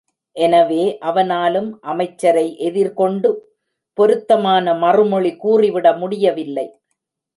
எனவே அவனாலும் அமைச்சரை எதிர்கொண்டு பொருத்தமான மறுமொழி கூறிவிட முடியவில்லை.